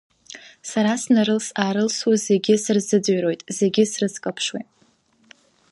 Сара снарылс-аарылсуа зегьы сырзыӡырҩуеит, зегьы срыцклаԥшуеит.